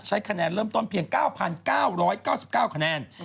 คะแนนเริ่มต้นเพียง๙๙๙๙๙คะแนน